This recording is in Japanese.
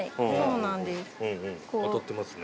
うん当たってますね